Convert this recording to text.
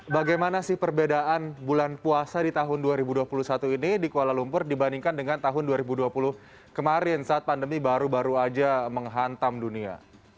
bagaimana sih perbedaan bulan puasa di tahun dua ribu dua puluh satu ini di kuala lumpur dibandingkan dengan tahun dua ribu dua puluh kemarin saat pandemi baru baru aja menghantam dunia